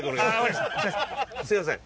すみません。